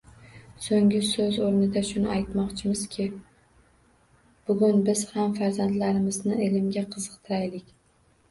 So‘ngi so‘z o‘rnida shuni aytmoqchimizki bugun biz ham farzandlarimizni ilmga qiziqtiraylik